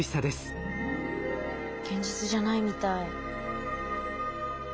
現実じゃないみたい。